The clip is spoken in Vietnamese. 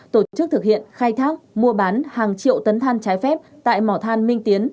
tổ chức thực hiện khai thác mua bán hàng triệu tấn than trái phép tại mỏ than minh tiến